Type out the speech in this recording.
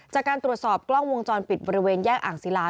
จากการตรวจสอบกล้องวงจรปิดบริเวณแยกอ่างศิลา